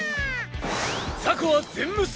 ザコは全無視！